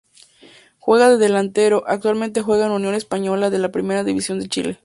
Juega de delantero, actualmente juega en Unión Española de la Primera División de Chile.